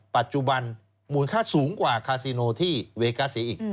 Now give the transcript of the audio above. ปัจจุบันมูลค่าสูงกว่าคาซิโนที่เวกาสีอีก